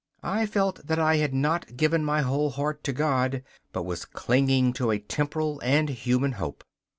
I felt that I had not given my whole heart to God, but was clinging to a temporal and human hope.